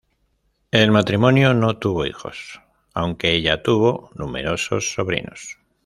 El matrimonio no tuvo hijos, aunque ella tuvo numerosos sobrinos.